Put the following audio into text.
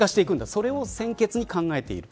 それを先決に考えている。